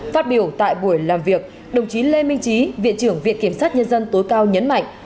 phát biểu tại buổi làm việc đồng chí lê minh trí viện trưởng viện kiểm sát nhân dân tối cao nhấn mạnh